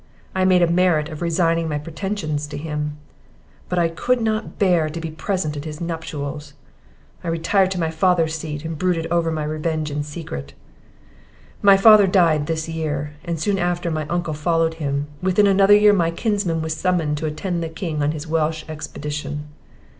I made a merit of resigning my pretensions to him, but I could not bear to be present at his nuptials; I retired to my father's seat, and brooded over my revenge in secret. My father died this year, and soon after my uncle followed him; within another year my kinsman was summoned to attend the king on his Welch expedition.